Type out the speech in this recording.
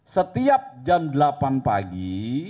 setiap jam delapan pagi